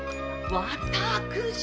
わたくし。